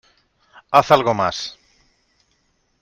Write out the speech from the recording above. Haz algo más.